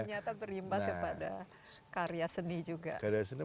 ternyata berimbas kepada karya seni juga